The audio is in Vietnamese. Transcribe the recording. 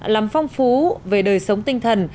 làm phong phú về đời sống tinh thần